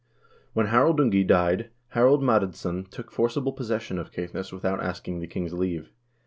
When Harald Ungi died, Harald Madadsson took forcible possession of Caithness without asking the king's leave.